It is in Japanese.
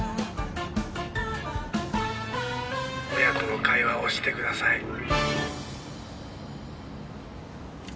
親子の会話をしてください。